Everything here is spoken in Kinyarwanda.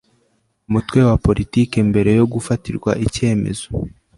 Umutwe wa politiki mbere yo gufatirwa icyemezo